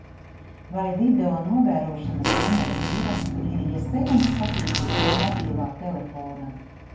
Vai videonovērošanas kameras ierakstu ir iespējams skatīties no mobilā telefona?